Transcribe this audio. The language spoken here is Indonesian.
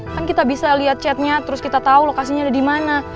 kan kita bisa liat chatnya terus kita tau lokasinya ada dimana